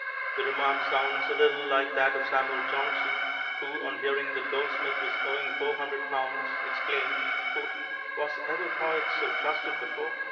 The remark sounds a little like that of Samuel Johnson, who on hearing that Goldsmith was owing four hundred pounds exclaimed, "Was ever poet so trusted before?"